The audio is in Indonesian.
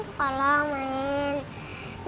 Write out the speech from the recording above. ke kolam main